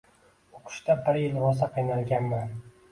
O’qishda bir yil rosa qiynalganman.